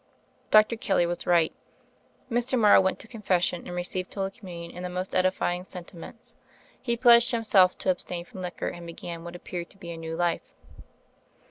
Dr. Kelly was right. Mr. Morrow went to confession and received Holy Communion in the most edifying sentiments; he pledged him self to abstain from liquor and began what ap peared to be a new life.